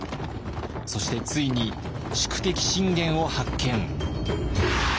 そしてついに宿敵信玄を発見。